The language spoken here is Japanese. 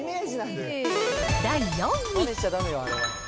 第４位。